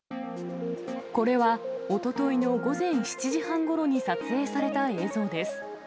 これはおとといの午前７時半ごろに撮影された映像です。